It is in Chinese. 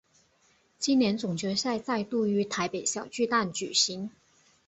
今年总决赛再度于台北小巨蛋举行。